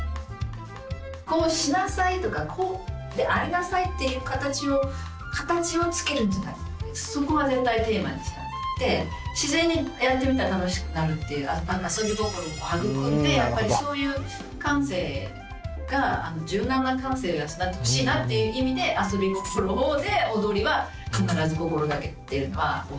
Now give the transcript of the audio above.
こうしなさいとかこうでありなさいっていう形をつけるんじゃなくてそこは絶対テーマにしなくって自然にやってみたら楽しくなるっていう遊び心も育んでやっぱりそういう感性が柔軟な感性が育ってほしいなっていう意味で遊び心で踊りは必ず心がけてるのは大きいですね。